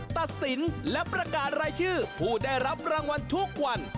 ตัดสินและประกาศรายชื่อผู้ได้รับรางวัลทุกวัน